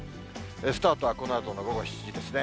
スタートはこのあとの午後７時ですね。